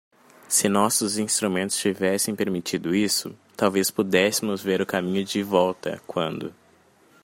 Se nossos instrumentos tivessem permitido isso, talvez pudéssemos ver o caminho de volta quando.